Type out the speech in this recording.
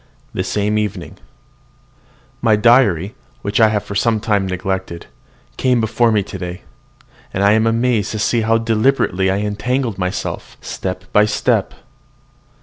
THE SAME EVENING. My diary, which I have for some time neglected, came before me today; and I am amazed to see how deliberately I have entangled myself step by step.